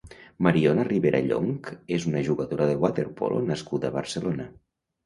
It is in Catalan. Mariona Ribera Llonc és una jugadora de waterpolo nascuda a Barcelona.